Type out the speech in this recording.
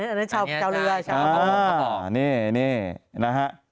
อันนี้นะฮะ